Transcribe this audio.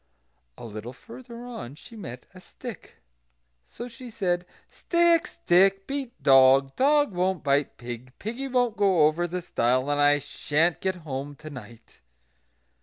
A little further on she met a stick. So she said: "Stick! stick! beat dog! dog won't bite pig; piggy won't go over the stile; and I sha'n't get home to night."